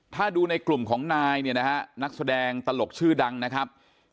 ถ้าดูในกลุ่มของนายเนี่ยนะฮะนักแสดงตลกชื่อดังนะครับ